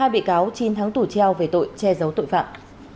ba bị cáo chín tháng tù treo về tội che giấu tội phạm